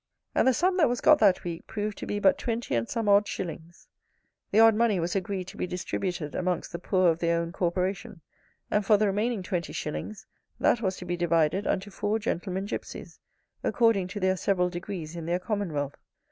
And the sum that was got that week proved to be but twenty and some odd shillings. The odd money was agreed to be distributed amongst the poor of their own corporation: and for the remaining twenty shillings, that was to be divided unto four gentlemen gypsies, according to their several degrees in their commonwealth.